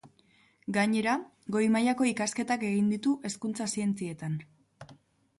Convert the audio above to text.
Gainera, goi-mailako ikasketak egin ditu Hezkuntza Zientzietan.